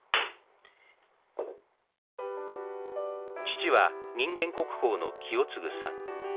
父は人間国宝の清司さん。